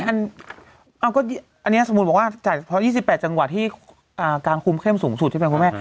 อันนี้สมมุติบอกว่าจ่ายเฉพาะ๒๘จังหวัดที่การคุมเข้มสูงสุดใช่ไหมคุณแม่